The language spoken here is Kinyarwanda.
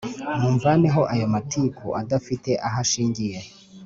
Munvaneho ayo matiku adafite aho ashingiye